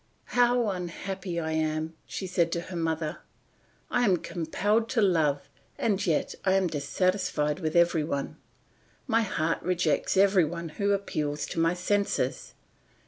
"How unhappy I am!" said she to her mother; "I am compelled to love and yet I am dissatisfied with every one. My heart rejects every one who appeals to my senses.